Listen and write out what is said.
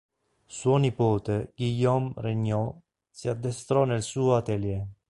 Suo nipote Guillaume Regnault si addestrò nel suo atelier.